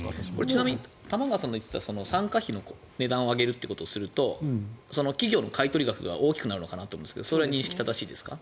ちなみに玉川さんの言っていた参加費の値段を上げると企業の買い取り額が大きくなるのかなと思いますがそれは認識正しいですか？